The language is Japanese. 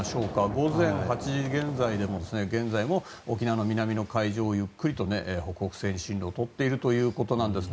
午前８時現在でも沖縄の海上をゆっくりと北北西に進路をとっているということです。